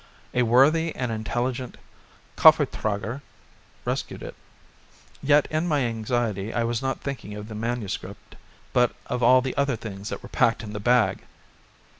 A worthy and intelligent Koffertrager rescued it. Yet in my anxiety I was not thinking of the MS. but of all the other things that were packed in the bag.